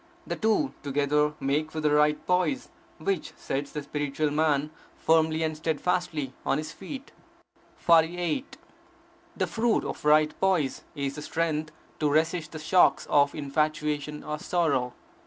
The two together make for the right poise which sets the spiritual man firmly and steadfastly on his feet. 48. The fruit of right poise is the strength to resist the shocks of infatuation or sorrow.